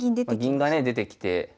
銀がね出てきて。